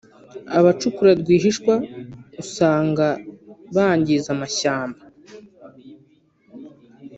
abacukura rwihishwa usanga bangiza amashyamba